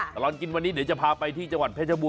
สรานกินวันนี้เดี๋ยวจะพาไปที่จังหวัดเผทย์ชมูน